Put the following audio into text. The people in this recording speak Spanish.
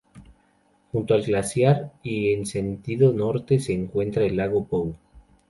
Junto al glaciar y en sentido norte se encuentra el lago Bow.